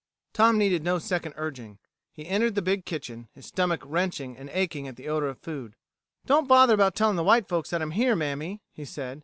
Tom needed no second urging. He entered the big kitchen, his stomach wrenching and aching at the odor of food. "Don't bother about telling the white folks that I'm here, mammy," he said.